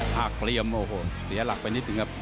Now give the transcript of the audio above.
หักเหลี่ยมโอ้โหเสียหลักไปนิดนึงครับ